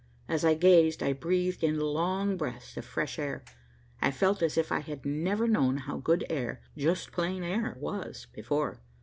As I gazed, I breathed in long breaths of fresh air. I felt as if I had never known how good air, just plain air, was, before.